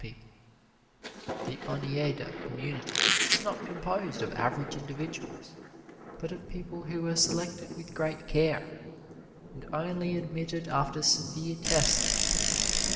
The Oneida Community was not composed of average individuals, but of people who were selected with great care, and only admitted after severe tests.